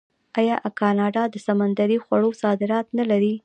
آیا کاناډا د سمندري خوړو صادرات نلري؟